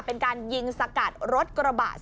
เป็นการยิงสกัดรถกระบะ